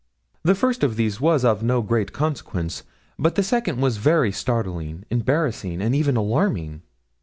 The first of these was of no great consequence, but the second was very startling, embarrassing, and even alarming.'